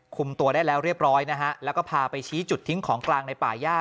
คุมตัวได้แล้วเรียบร้อยนะฮะแล้วก็พาไปชี้จุดทิ้งของกลางในป่าย่า